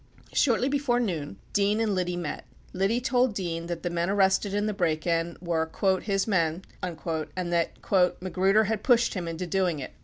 Shortly before noon, Dean and Liddy met, Liddy told Dean that the men arrested in the break in were "his men" and that "Magruder had pushed him into doing it."